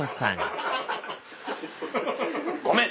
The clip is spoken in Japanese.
ごめん！